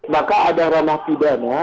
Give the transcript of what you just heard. maka ada ranah pidana